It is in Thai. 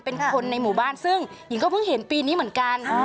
เป็นคนในหมู่บ้านซึ่งหญิงก็เพิ่งเห็นปีนี้เหมือนกัน